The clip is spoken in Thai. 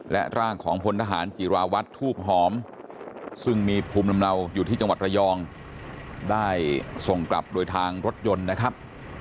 และร่างของพลทหารจิราวัตรทูบหอมซึ่งมีภูมิลำเนาอยู่ที่จังหวัดระยองได้ส่งกลับโดยทางรถยนต์นะครับ